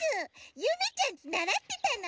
ゆめちゃんにならってたの。